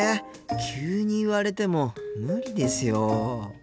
急に言われても無理ですよ。